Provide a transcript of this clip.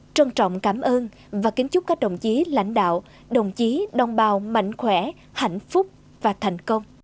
trân trọng cảm ơn và kính chúc các đồng chí lãnh đạo đồng chí đồng bào mạnh khỏe hạnh phúc và thành công